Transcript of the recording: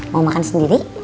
mau makan sendiri